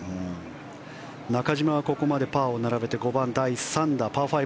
中島はここまでパーを並べて５番、第３打。